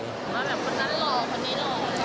คนนั้นหล่อคนนี้หล่อ